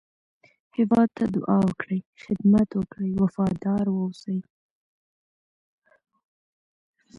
هېواد ته دعا وکړئ، خدمت وکړئ، وفاداره واوسی